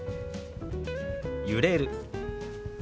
「揺れる」。